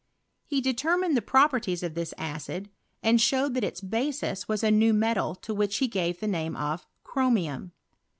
He determined the properties of this acid, Rnd showed that its basis was a new metal to which he ga»e the name of ckrwaiam.